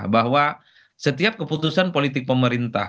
bahwa setiap keputusan politik pemerintah